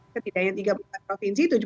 setidaknya tiga puluh empat provinsi